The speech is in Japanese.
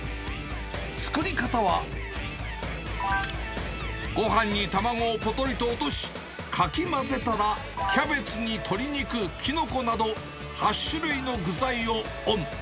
作り方は、ごはんに卵をぽとりと落とし、かき混ぜたら、キャベツに鶏肉、キノコなど、８種類の具材をオン。